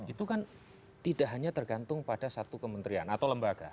itu kan tidak hanya tergantung pada satu kementerian atau lembaga